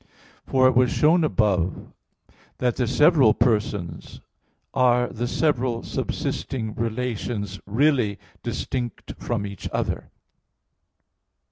For it was shown above that the several persons are the several subsisting relations really distinct from each other.